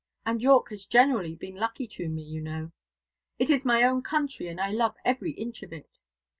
And York has generally been lucky to me, you know. It is my own county, and I love every inch of it.